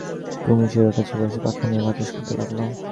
কুমু শিয়রের কাছে বসে পাখা নিয়ে বাতাস করতে লাগল।